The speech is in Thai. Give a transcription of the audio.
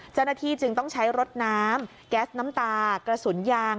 เจ้าหน้าที่จึงต้องใช้รถน้ำแก๊สน้ำตากระสุนยาง